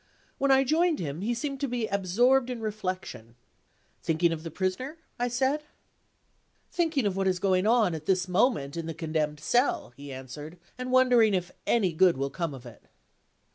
When I joined him he seemed to be absorbed in reflection. "Thinking of the Prisoner?" I said. "Thinking of what is going on, at this moment, in the condemned cell," he answered, "and wondering if any good will come of it."